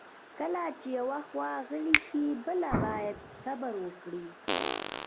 کله چې یوه خوا غلې شي، بله باید صبر وکړي.